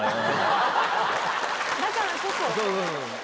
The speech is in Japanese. だからこそ。